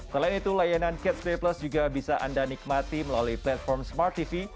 selain itu layanan catch play plus juga bisa anda nikmati melalui platform smart tv